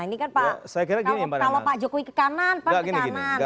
ini kan pak jokowi ke kanan pak pan ke kanan